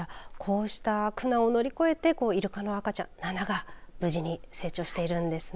こうした苦難を乗り越えているかの赤ちゃん、ナナが無事に成長しているんですね。